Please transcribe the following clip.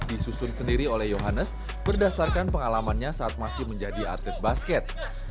disusun sendiri oleh yohannes berdasarkan pengalamannya saat masih menjadi atlet basket